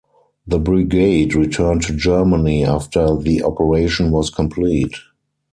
The brigade returned to Germany after the operation was complete.